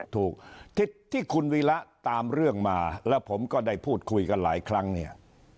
ถูกที่คุณวีระตามเรื่องมาแล้วผมก็ได้พูดคุยกันหลายครั้งเนี่ย